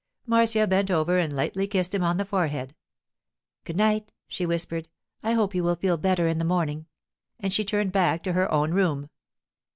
Marcia bent over and lightly kissed him on the forehead. 'Good night,' she whispered. 'I hope you will feel better in the morning,' and she turned back to her own room.